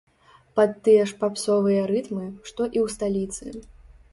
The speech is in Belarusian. Пад тыя ж папсовыя рытмы, што і ў сталіцы.